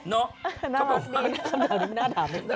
นี่คำถามนี้น่าถาม